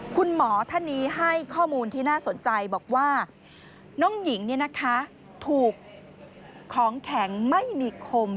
คุณหมอท่านนี้ให้ข้อมูลที่น่าสนใจบอกว่าน้องหญิงถูกของแข็งไม่มีคม